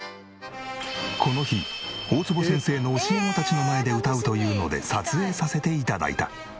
この日大坪先生の教え子たちの前で歌うというので撮影させて頂いた。